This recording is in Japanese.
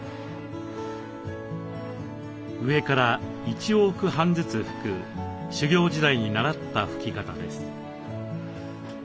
上から１往復半ずつ拭く修行時代に習った拭き方です。